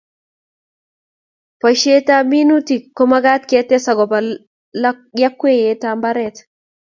Boishet ab minutik ko magat ketes akobo yakwet ab mbaret